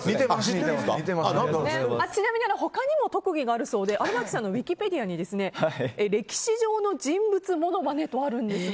ちなみに他にも特技があるそうで荒牧さんのウィキペディアに歴史上の人物ものまねとあります。